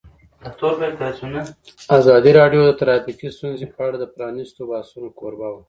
ازادي راډیو د ټرافیکي ستونزې په اړه د پرانیستو بحثونو کوربه وه.